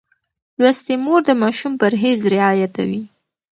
لوستې مور د ماشوم پرهېز رعایتوي.